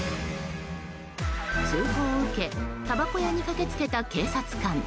通報を受けたばこ屋に駆け付けた警察官。